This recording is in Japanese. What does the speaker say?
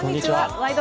「ワイド！